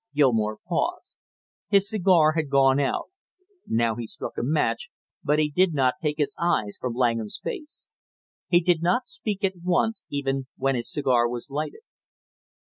Gilmore paused. His cigar had gone out; now he struck a match, but he did not take his eyes from Langham's face. He did not speak at once even when his cigar was lighted.